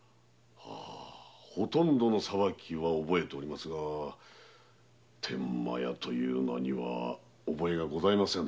ほとんどの裁きは覚えておりますが“天満屋”という名には覚えがございません。